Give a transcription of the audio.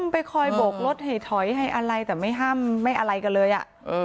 ไปคอยโบกรถให้ถอยให้อะไรแต่ไม่มายิงมาก่อนเลยอ่ะ